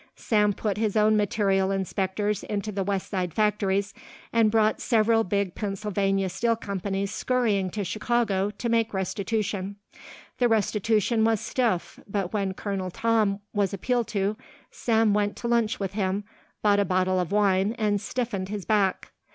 Sam put his own material inspectors into the west side factories and brought several big Pennsylvania steel companies scurrying to Chicago to make restitution. The restitution was stiff, but when Colonel Tom was appealed to, Sam went to lunch with him, bought a bottle of wine, and stiffened his back.